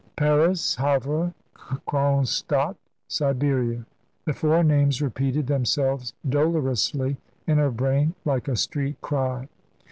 Paris Havre Kronstadt Siberia: the four names repeated themselves dolorously in her brain like a street cry.